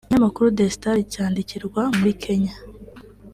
Ikinyamakuru The Star cyandikirwa muri Kenya